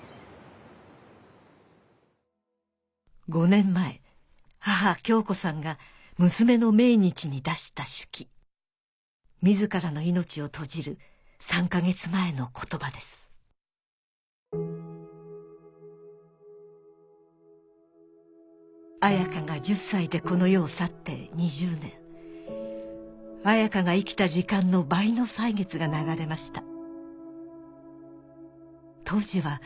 ５年前母京子さんが娘の命日に出した手記自らの命を閉じる３か月前の言葉です「彩花が１０歳でこの世を去って２０年」「彩花が生きた時間の倍の歳月が流れました」